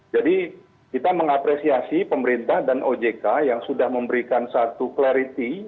jadi kita mengapresiasi pemerintah dan ojk yang sudah memberikan satu clarity